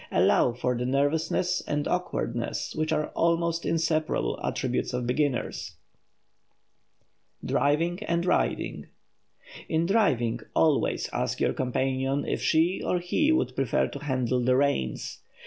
Allow for the nervousness and awkwardness which are the almost inseparable attributes of beginners. [Sidenote: DRIVING AND RIDING] In driving always ask your companion if she or he would prefer to handle the reins.